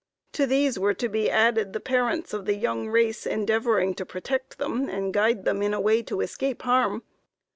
To these were to be added the parents of the young race endeavoring to protect them and guide them in a way to escape harm.